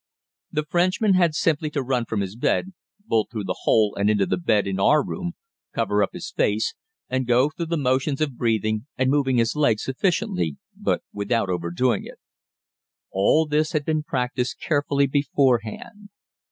The Frenchman had simply to run from his bed, bolt through the hole and into the bed in our room, cover up his face, and go through the motions of breathing and moving his legs sufficiently but without overdoing it. All this had been practiced carefully beforehand.